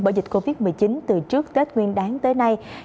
bởi dịch covid một mươi chín từ trước tết nguyên đáng tới nay